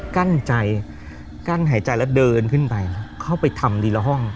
กั้นใจกั้นหายใจแล้วเดินขึ้นไปเข้าไปทำทีละห้อง